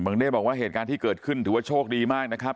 เน่บอกว่าเหตุการณ์ที่เกิดขึ้นถือว่าโชคดีมากนะครับ